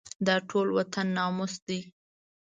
دا ټول وطن ناموس دی.